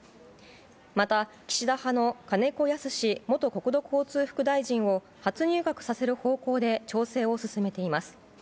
また、岸田派の金子恭之元国土交通副大臣を初入閣させる方向で調整を進めています。